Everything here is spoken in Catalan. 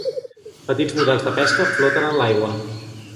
Petits models de pesca floten en l'aigua.